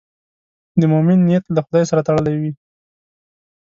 د مؤمن نیت له خدای سره تړلی وي.